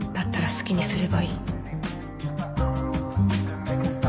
好きにすればいい